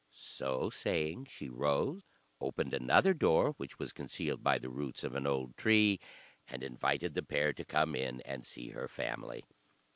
So saying she rose, opened another door, which was concealed by the roots of an old tree, and invited the pair to come in and see her family.